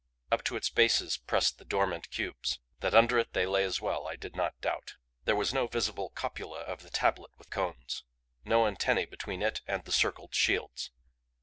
Up to its bases pressed the dormant cubes that under it they lay as well I did not doubt. There was no visible copula of the tablet with cones; no antennae between it and the circled shields.